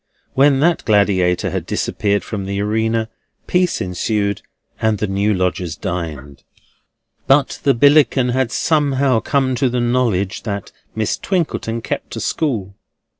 When that gladiator had disappeared from the arena, peace ensued, and the new lodgers dined. But the Billickin had somehow come to the knowledge that Miss Twinkleton kept a school.